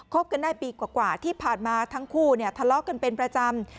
กันได้ปีกว่าที่ผ่านมาทั้งคู่เนี่ยทะเลาะกันเป็นประจำ